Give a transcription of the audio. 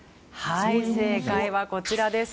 正解はこちらです。